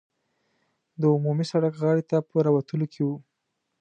د عمومي سړک غاړې ته په راوتلو کې وو.